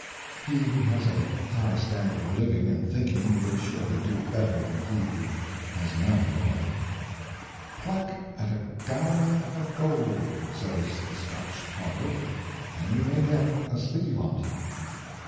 He who has a high standard of living and thinking will certainly do better than he who has none at all. *' Pluck at a gown 604 Conscience and Chwacter. of gold," says the Scotch proverb, " and you may get a sleeve o't."